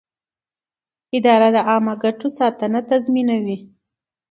اداره د عامه ګټو ساتنه تضمینوي.